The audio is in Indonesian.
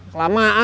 kelamaan sih lo